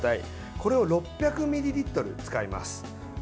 これを６００ミリリットル使います。